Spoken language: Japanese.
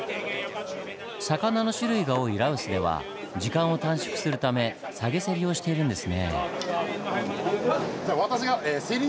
魚の種類が多い羅臼では時間を短縮するため下げセリをしているんですねぇ。